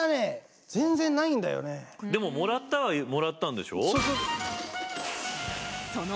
でももらったはもらったんでしょ？